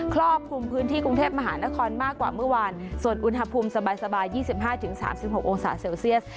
ครอบคลุมพื้นที่กรุงเทพมหานครมากกว่ามื่อวานส่วนอุณหภูมิสบายสบายยี่สิบห้าถึงสามสิบหกโอกาสเซลเซียส